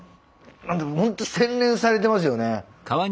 ホント洗練されてますよね。